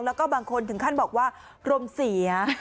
แล้วก็บางคนถึงขั้นบอกว่ารมเสีย